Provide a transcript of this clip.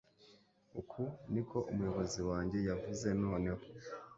Uku niko umuyobozi wanjye yavuze Noneho